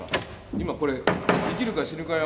今これ生きるか死ぬかよ。